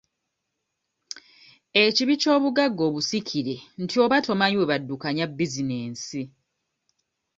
Ekibi ky'obugagga obusikire nti oba tomanyi bwe baddukanya bizinesi.